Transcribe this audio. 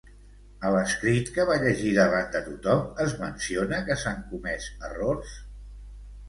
A l'escrit que va llegir davant de tothom es menciona que s'han comès errors?